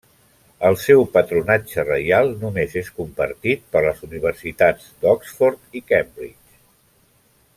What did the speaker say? El seu patronatge reial només és compartit per les universitats d'Oxford i Cambridge.